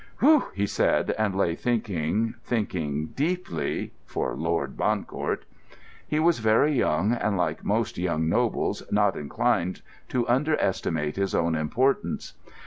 "Whew!" he said, and lay thinking, thinking deeply—for Lord Bancourt. He was very young, and, like most young nobles, not inclined to underestimate his own importance.